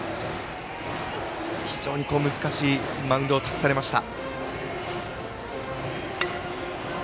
非常に難しいマウンドを託されました。